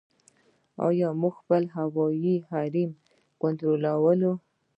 آیا موږ خپل هوایي حریم کنټرولوو؟